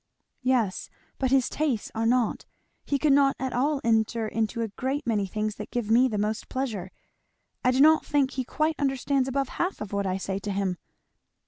"Yes, but his tastes are not. He could not at all enter into a great many things that give me the most pleasure. I do not think he quite understands above half of what I say to him."